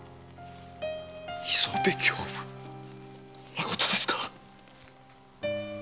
磯部刑部まことですか？